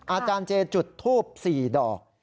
อาจารย์เจจุดทูบ๔ดอก